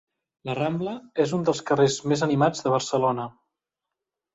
La Rambla és un dels carrers més animats de Barcelona.